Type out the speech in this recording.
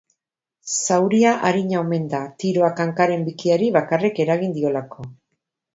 Zauria arina omen da, tiroak hankaren bikiari bakarrik eragin diolako.